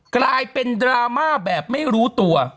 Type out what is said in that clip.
กลายเป็นดราม่าแบบไม่รู้ตัว